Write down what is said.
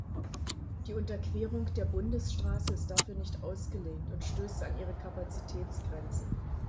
Die Unterquerung der Bundesstraße ist dafür nicht ausgelegt und stößt an ihre Kapazitätsgrenzen.